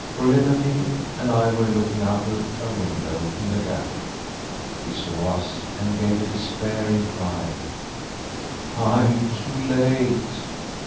Rouletabille and I were looking out of a window in the gallery. He saw us, and gave a despairing cry: "I'm too late!"